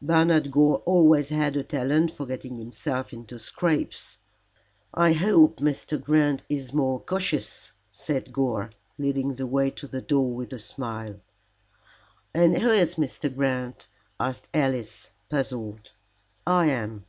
"Bernard Gore always had a talent for getting himself into scrapes." "I hope Mr. Grant is more cautious," said Gore, leading the way to the door with a smile. "And who is Mr. Grant?" asked Alice, puzzled. "I am.